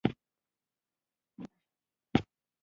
ظهري عصبي رشتې له بطني رشتو سره جلا کړئ.